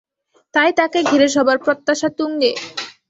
তাই তাঁকে ঘিরে সবার প্রত্যাশা তুঙ্গে।